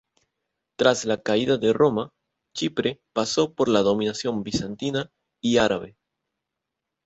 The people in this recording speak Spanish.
Tras la caída de Roma, Chipre pasó por la dominación bizantina y árabe.